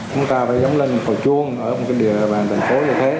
chúng ta phải giống lên một còi chuông ở một địa bàn thành phố như thế